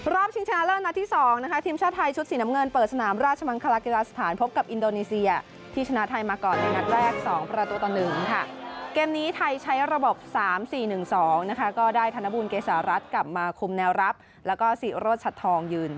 รอบชิงชนะเริ่มมาที่๒ทีมชาติไทยชุดสีน้ำเงินเปิดสนามราชมันคลาเกียรติสถานพบกับอินโดนีเซียที่ชนะไทยมาก่อนในหนักแรก๒พระตัวตอน๑